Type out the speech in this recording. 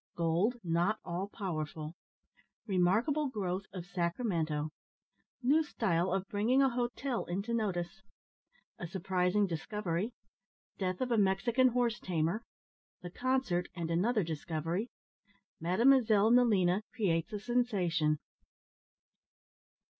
GOLD NOT ALL POWERFUL REMARKABLE GROWTH OF SACRAMENTO NEW STYLE OF BRINGING A HOTEL INTO NOTICE A SURPRISING DISCOVERY DEATH OF A MEXICAN HORSE TAMER THE CONCERT, AND ANOTHER DISCOVERY MADEMOISELLE NELINA CREATES A SENSATION.